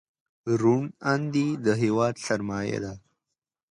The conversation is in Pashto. روڼ اندي د هېواد سرمایه ده.